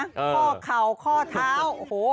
ข้อเข่าข้อเท้าโอ้โห